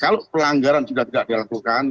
kalau pelanggaran sudah tidak dilakukan